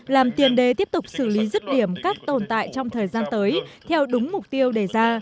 làm tiền đề tiếp tục xử lý rứt điểm các tồn tại trong thời gian tới theo đúng mục tiêu đề ra